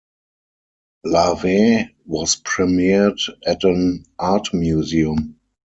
"Larvae" was premiered at an art museum.